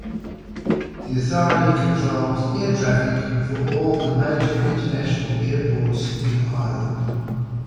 The authority controls air traffic for all the major international airports in Ireland.